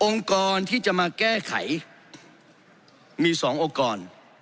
องค์กรที่จะมาแก้ไขมี๒องค์กร